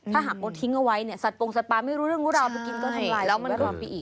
ถ้าหาโฟมทิ้งเอาไว้สัตว์ปรงสัตว์ปลาไม่รู้เรื่องกับเรากินก็ทำลายสิ่งแวดล้อมไปอีก